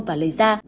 và lấy ra